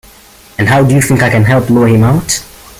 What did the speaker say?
And how do you think I can help lure him out?